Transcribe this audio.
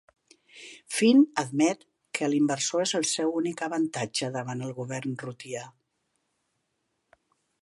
Finn admet que l'inversor és el seu únic avantatge davant el govern rutià.